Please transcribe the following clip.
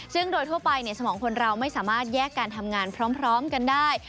ซึ่งโดยทั่วไปสมองคนเราไม่สามารถแยกการทำงานพร้อมกันได้